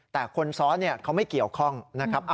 แต่คนซ้อนเขาไม่เกี่ยวข้องนะครับ